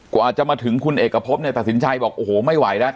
กว่าจะมาถึงคุณเอกพบเนี่ยตัดสินใจบอกโอ้โหไม่ไหวแล้ว